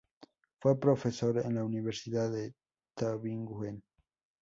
Fue profesor en la universidad de Tübingen.